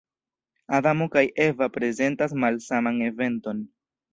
Adamo kaj Eva prezentas malsaman eventon.